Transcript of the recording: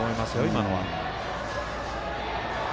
今のは。